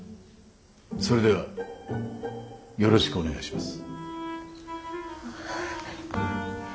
それではよろしくお願いします。